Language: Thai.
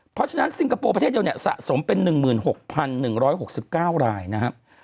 เพราะฉะนั้นซิงคโปร์ประเทศเดียวเนี่ยสะสมเป็น๑๖๑๖๙รายนะครับ